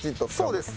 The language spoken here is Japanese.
そうです。